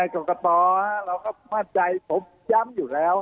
กรกตเราก็มั่นใจผมย้ำอยู่แล้ว